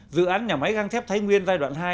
dự án nhà máy găng thép thái nguyên giai đoạn hai